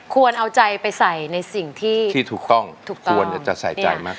ควรเอาใจไปใส่ในสิ่งที่ที่ถูกต้องควรจะใส่ใจมากกว่า